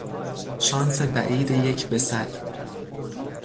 شانس بعید یک به صد